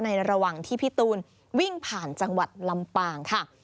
ระหว่างที่พี่ตูนวิ่งผ่านจังหวัดลำปางค่ะ